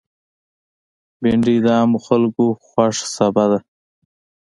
بېنډۍ د عامو خلکو خوښ سابه ده